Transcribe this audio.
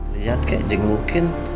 lihat kayak jengukin